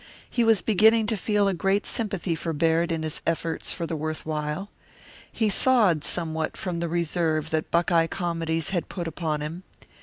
He was beginning to feel a great sympathy for Baird in his efforts for the worth while. He thawed somewhat from the reserve that Buckeye comedies had put upon him.